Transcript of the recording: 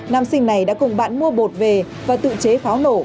nam sinh này đã cùng bạn mua bột về và tự chế pháo nổ